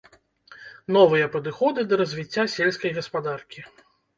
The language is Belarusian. Новыя падыходы да развіцця сельскай гаспадаркі.